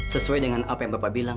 sesuai dengan apa yang bapak bilang